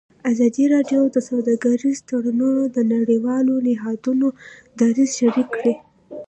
ازادي راډیو د سوداګریز تړونونه د نړیوالو نهادونو دریځ شریک کړی.